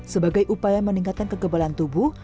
sebagai upaya meningkatkan kekebalan tubuh